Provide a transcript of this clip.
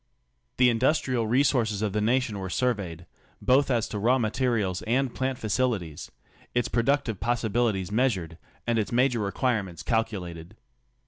The industrial re ^ sources of the nation were surveyed — both as to raw mate ^ rials and plant facilities — its productive possibilities meas Sl ured, and its major requirements calculated.